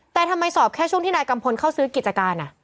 แต่ทำไมสอบแค่ช่วงที่นายกัมพลเข้าซื้อกิจการ